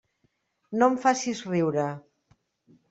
No em facis riure.